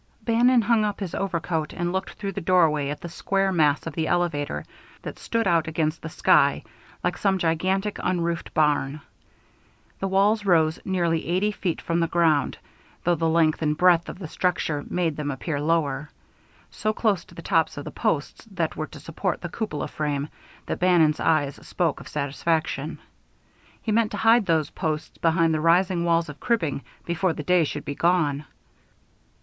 Bannon hung up his overcoat and looked through the doorway at the square mass of the elevator that stood out against the sky like some gigantic, unroofed barn. The walls rose nearly eighty feet from the ground though the length and breadth of the structure made them appear lower so close to the tops of the posts that were to support the cupola frame that Bannon's eyes spoke of satisfaction. He meant to hide those posts behind the rising walls of cribbing before the day should be gone.